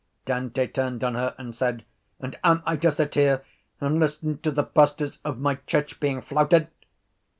Dante turned on her and said: —And am I to sit here and listen to the pastors of my church being flouted?